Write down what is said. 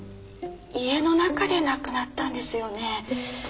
家の中で亡くなったんですよね？